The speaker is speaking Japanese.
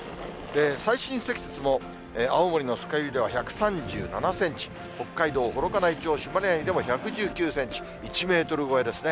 最深積雪も青森の酸ヶ湯では１３７センチ、北海道幌加内町朱鞠内でも１１９センチ、１メートル超えですね。